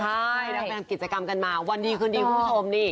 ใช่รับงานกิจกรรมกันมาวันดีคืนดีคุณผู้ชมนี่